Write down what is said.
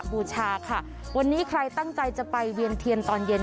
บูชาค่ะวันนี้ใครตั้งใจจะไปเวียนเทียนตอนเย็น